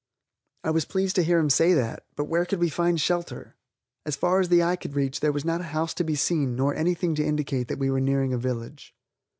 I was pleased to hear him say that, but where could we find shelter? As far as the eye could reach there was not a house to be seen, nor anything to indicate that we were nearing a village.